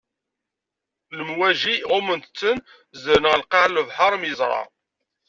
Lemwaǧi ɣumment-ten, zedren ɣer lqaɛa n lebḥeṛ, am yeẓra.